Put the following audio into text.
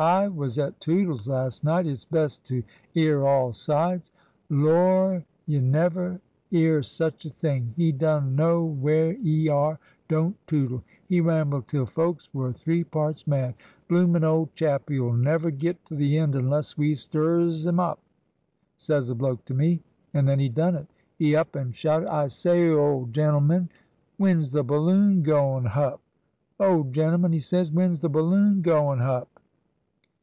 "I was at Tootle's last night. It's best to 'ear all sides. Lor' ! y' never 'ear such a thing. 'E dun know where 'e are, don't Tootle. He rambled till folks were three parts mad. ' Bloomin' old chappie '11 never get to the end unless we stirs 'im up,' says a bloke to me. And then he done it. 'E up and shouted, ' I say, old gen'le 220 TRANSITION. man! when's the Balloon going h'up? Old gen'leman/ he says, ' when's the Balloon going h*up